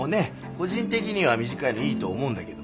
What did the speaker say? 個人的には短いのいいと思うんだけども。